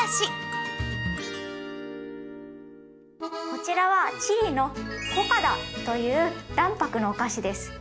こちらはチリのコカダという卵白のお菓子です。